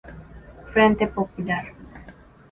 Frente Popular.